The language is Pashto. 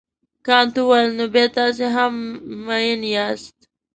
کانت وویل نو بیا تاسي هم مین یاست.